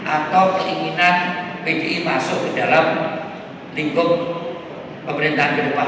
atau keinginan pdi masuk ke dalam lingkup pemerintahan ke depan